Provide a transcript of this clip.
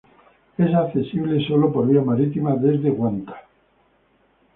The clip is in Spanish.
Es accesible solo por vía marítima desde Guanta.